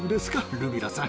ルビラさん。